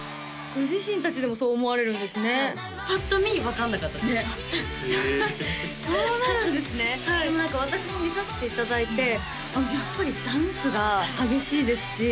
ご自身達でもそう思われるんですねぱっと見分かんなかったですねっへえそうなるんですねでも何か私も見させていただいてやっぱりダンスが激しいですし